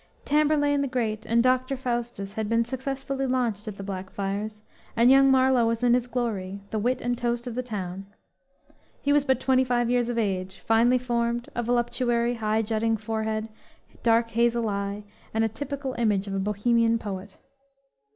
"Tamberlaine the Great" and "Dr. Faustus" had been successfully launched at the Blackfriars, and young Marlowe was in his glory, the wit and toast of the town. He was but twenty five years of age, finely formed, a voluptuary, high jutting forehead, dark hazel eye, and a typical image of a bohemian poet.